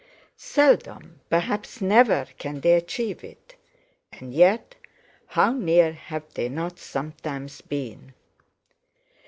Seldom—perhaps never—can they achieve, it; and yet, how near have they not sometimes been!